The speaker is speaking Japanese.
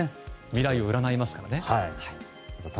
未来を占いますからね。